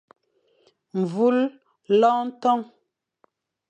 Mvul, loñ ton.